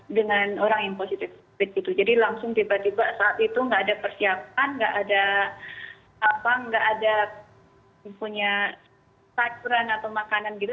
jadi langsung tiba tiba saat itu gak ada persiapan gak ada apa apa gak ada punya sakuran atau makanan gitu